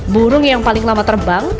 burung yang paling lama terbang